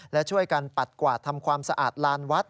และช่วยกันปัดกวาดทำความสะอาดลานวัด